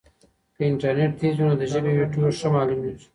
که انټرنیټ تېز وي نو د ژبې ویډیو ښه معلومېږي.